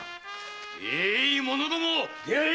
ええい者ども出会え！